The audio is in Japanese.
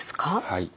はい。